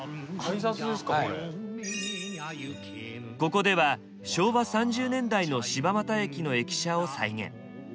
ここでは昭和３０年代の柴又駅の駅舎を再現。